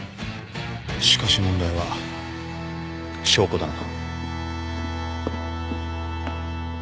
しかし問題は証拠だな。